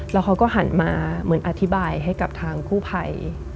แล้วเขาก็หันมาเหมือนอธิบายให้กับทางกู้ภัย